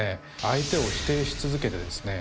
相手を否定し続けてですね